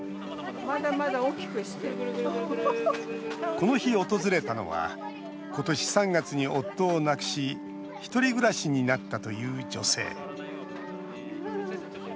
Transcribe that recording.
この日訪れたのは今年３月に夫を亡くしひとり暮らしになったという女性。